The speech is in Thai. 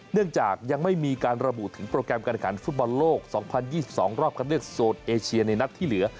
เนื่องจากยังไม่มีการระบุถึงโปรแกรมการขันฟุตบอลโลก๒๐๒๒รอบคันเลือกโซนเอเชียในนัดที่เหลือ